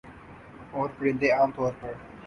اورپرندے عام طور پر